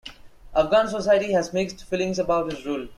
Afghan society has mixed feelings about his rule.